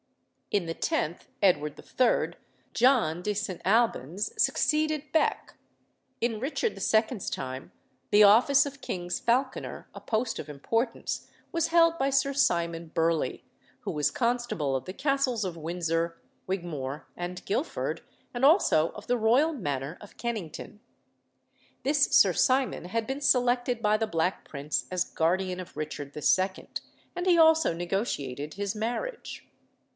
In the 10th Edward III. John de St. Albans succeeded Becke. In Richard II.'s time the office of king's falconer, a post of importance, was held by Sir Simon Burley, who was constable of the castles of Windsor, Wigmore, and Guilford, and also of the royal manor of Kennington. This Sir Simon had been selected by the Black Prince as guardian of Richard II., and he also negotiated his marriage.